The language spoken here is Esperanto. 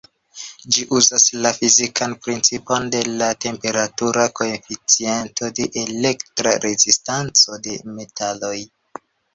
Ĝi uzas la fizikan principon de la temperatura koeficiento de elektra rezistanco de metaloj.